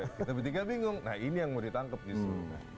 kita bertiga bingung nah ini yang mau ditangkep justru